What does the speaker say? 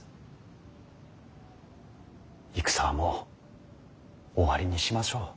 戦はもう終わりにしましょう。